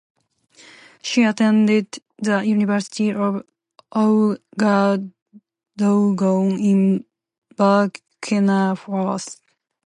She attended the University of Ouagadougou in Burkina Faso.